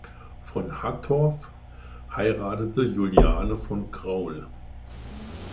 Von Hattorf heiratete Juliane von Crauel.